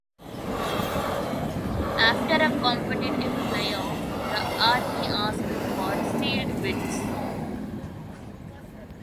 After a competitive fly-off, the Army asked for sealed bids.